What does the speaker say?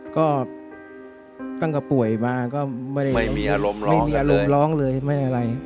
ก็ตั้งแต่ป่วยมาก็ไม่ได้มีอารมณ์ร้องเลยไม่ได้อะไร